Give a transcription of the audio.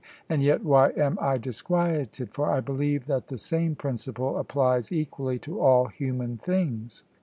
And yet, why am I disquieted, for I believe that the same principle applies equally to all human things?